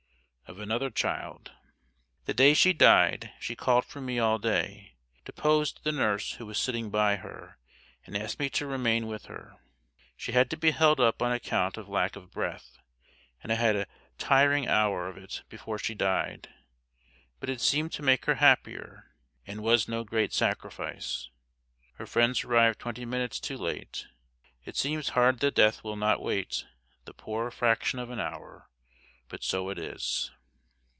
Of another child: The day she died she called for me all day, deposed the nurse who was sitting by her, and asked me to remain with her. She had to be held up on account of lack of breath; and I had a tiring hour of it before she died, but it seemed to make her happier and was no great sacrifice. Her friends arrived twenty minutes too late. It seems hard that Death will not wait the poor fraction of an hour, but so it is.